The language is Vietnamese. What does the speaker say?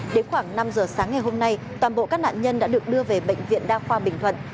đến khoảng năm giờ sáng ngày hôm nay toàn bộ các nạn nhân đã được đưa về bệnh viện đa khoa bình thuận